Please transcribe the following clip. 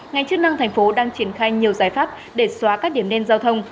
ngành chức năng thành phố đang triển khai nhiều giải pháp để xóa các điểm đen giao thông